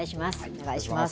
お願いします。